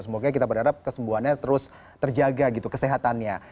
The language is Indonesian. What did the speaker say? semoga kita berharap kesembuhannya terus terjaga gitu kesehatannya